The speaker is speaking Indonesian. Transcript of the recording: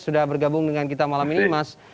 sudah bergabung dengan kita malam ini mas